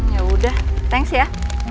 ya udah thanks ya